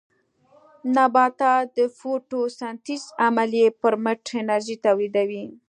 نباتات د فوټوسنټیز عملیې پرمټ انرژي تولیدوي.